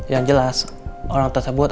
yang jelas orang tersebut